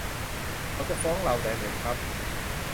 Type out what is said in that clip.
เขาจะฟ้องเราได้ไหมครับ